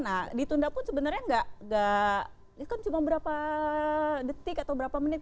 nah ditunda pun sebenarnya nggak kan cuma berapa detik atau berapa menit